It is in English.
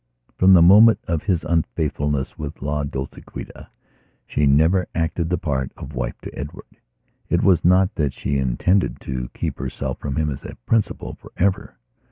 From the moment of his unfaithfulness with La Dolciquita she never acted the part of wife to Edward. It was not that she intended to keep herself from him as a principle, for ever.